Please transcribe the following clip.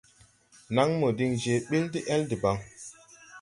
Naŋmo diŋ je ɓil de-ɛl debaŋ.